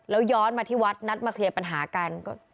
แล้วย้อนมาที่วัดนัดมาเคลียร์ปัญหากัน